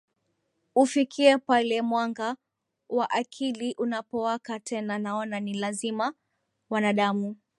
ufikie pale mwanga wa akili unapowaka Tena Naona ni lazima wanadamu